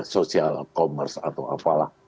social commerce atau apalah